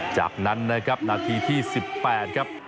จากนั้นนะครับนาทีที่๑๘ครับ